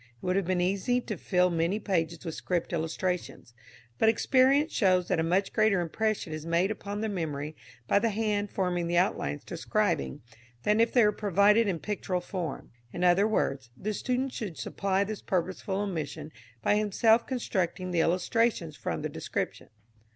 It would have been easy to fill many pages with script illustrations, but experience shows that a much greater impression is made upon the memory by the hand forming the outlines described than if they were provided in pictorial form. In other words, the student should supply this purposeful omission by himself constructing the illustrations from the description.